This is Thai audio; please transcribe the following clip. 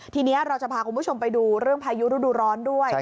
ทีนี้เราจะพาคุณผู้ชมไปดูเรื่องพายุฤดูร้อนด้วย